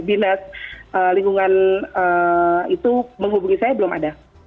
dinas lingkungan itu menghubungi saya belum ada